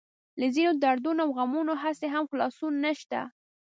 له ځينو دردونو او غمونو هسې هم خلاصون نشته.